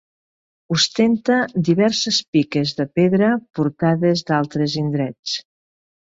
Ostenta diverses piques de pedra portades d'altres indrets.